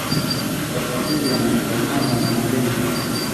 Wafadhili wana mitazamo na malengo yao